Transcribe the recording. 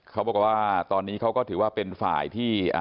เขาบอกว่าตอนนี้เขาก็ถือว่าเป็นฝ่ายที่